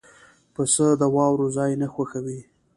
پسه د واورو ځای نه خوښوي.